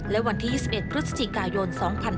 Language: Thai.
และวันที่๒๑พฤศจิกายน๒๕๕๙